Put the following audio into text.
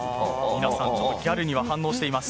皆さん、ギャルには反応しています。